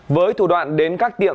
với thủ đoạn đến các tiệm